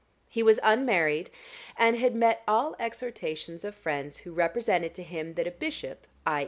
He was unmarried, and had met all exhortations of friends who represented to him that a bishop, _i.